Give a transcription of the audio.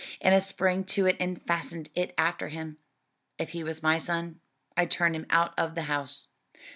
Enna sprang to it and fastened it after him. "If he was my son, I'd turn him out of the house."